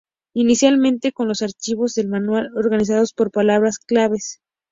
Inicialmente, con los archivos del manual organizados por palabras claves.